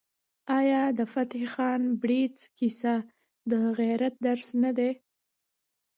آیا د فتح خان بړیڅ کیسه د غیرت درس نه دی؟